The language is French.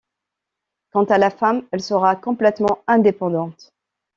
Quant à la femme, elle sera complètement indépendante.